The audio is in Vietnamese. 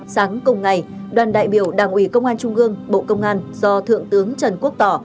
sáng cùng ngày đoàn đại biểu đảng ủy công an trung gương bộ công an do thượng tướng trần quốc tỏ